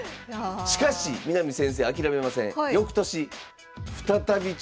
しかし南先生諦めません。